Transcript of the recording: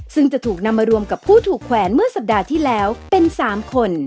ซึ่งจะถูกนำมารวมกับผู้ถูกแขวนเมื่อสัปดาห์ที่แล้วเป็น๓คน